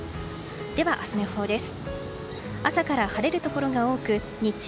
では、明日の予報です。